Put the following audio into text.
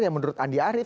yang menurut andi arief